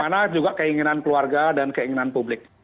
bagaimana juga keinginan keluarga dan keinginan publik